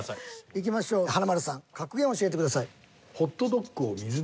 いきましょう華丸さん格言教えてください。